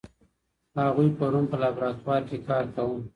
هغوی پرون په لابراتوار کې کار کاوه.